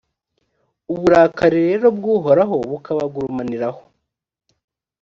uburakari rero bw’uhoraho bukabagurumaniraho